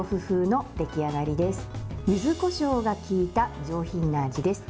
柚子こしょうがきいた上品な味です。